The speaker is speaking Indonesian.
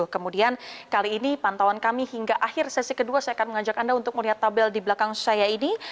kemudian kali ini pantauan kami hingga akhir sesi kedua saya akan mengajak anda untuk melihat tabel di belakang saya ini